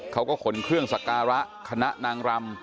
เขาก็ขนเครื่องสักการะคณะนางรำ